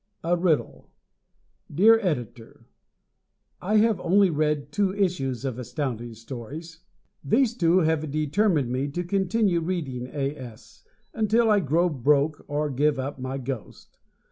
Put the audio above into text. A Riddle Dear Editor: I have only read two issues of Astounding Stories. These two have determined me to continue reading A. S. until I grow broke or give up my ghost.